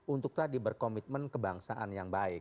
untuk tadi berkomitmen kebangsaan yang baik